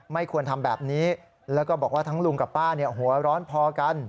ไม่ควรทำแบบนี้แล้วก็บอกว่าทั้งลุงกับป้าหัวร้อนพอกัน